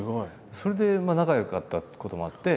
それで仲よかったこともあって